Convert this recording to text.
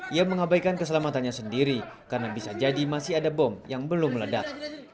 ia mengabaikan keselamatannya sendiri karena bisa jadi masih ada bom yang belum meledak